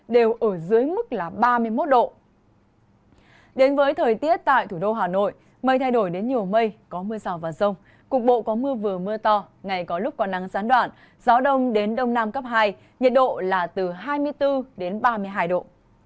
đến với thời tiết tại thủ đô hà nội mây thay đổi đến nhiều mây có mưa rào và rông cục bộ có mưa vừa mưa to ngày có lúc có nắng gián đoạn gió đông đến đông nam cấp hai nhiệt độ là từ hai mươi bốn ba mươi hai độ